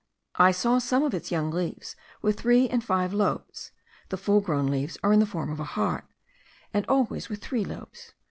I saw some of its young leaves with three and five lobes; the full grown leaves are in the form of a heart, and always with three lobes.